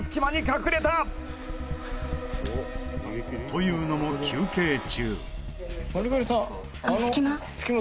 というのも、休憩中那須川：